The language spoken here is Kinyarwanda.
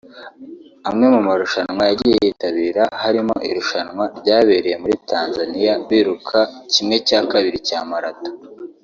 Amwe mu marushanwa yagiye yitabira harimo irushanwa ryabereye muri Tanzania biruka kimwe cya kabiri cya Marathon